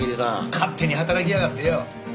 勝手に働きやがってよ。